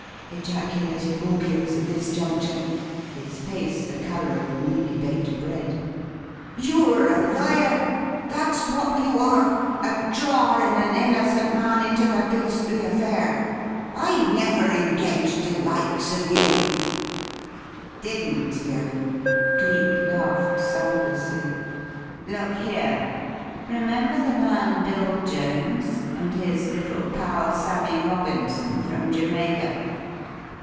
ejaculated Borkins, at this juncture, his face the colour of newly baked bread. "You're a liar that's what you are! A drorin' an innocent man into the beastly affair. I never engaged the likes of you!" "Didn't you?" Cleek laughed soundlessly. "Look here. Remember the man Bill Jones, and his little pal Sammie Robinson, from Jamaica?"